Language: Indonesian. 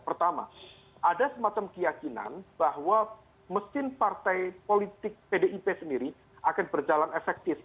pertama ada semacam keyakinan bahwa mesin partai politik pdip sendiri akan berjalan efektif